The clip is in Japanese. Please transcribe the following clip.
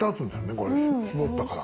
これしぼったから。